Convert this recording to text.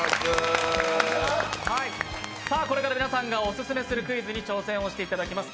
これから皆さんがオススメするクイズに挑戦していただきます。